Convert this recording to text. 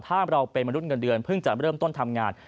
ถ้าเราเป็นมนุษย์เงินเดือนเพิ่งจะเริ่มต้นทำงาน